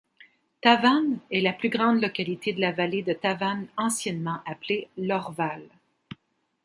Tavannes est la plus grande localité de la vallée de Tavannes, anciennement appelée l'Orval.